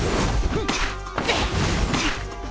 フッ。